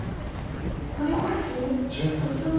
これはコスミ。